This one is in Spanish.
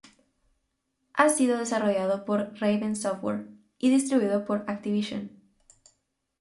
Ha sido desarrollado por Raven Software y distribuido por Activision.